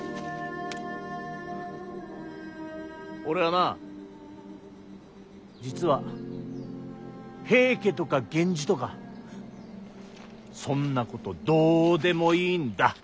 俺はな実は平家とか源氏とかそんなことどうでもいいんだ。